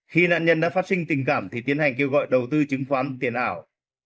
khi nạn nhân đã phát sinh tình cảm thì tiến hành kêu gọi đầu tư chứng khoán tiền ảo